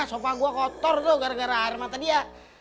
sopa gue kotor tuh gara gara air mata dia